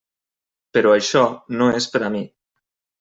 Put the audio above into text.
Però això no és per a mi.